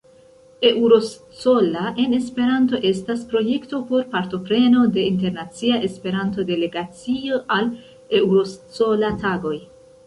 Euroscola-en-Esperanto estas projekto por "partopreno de internacia Esperanto-delegacio al Euroscola-tagoj".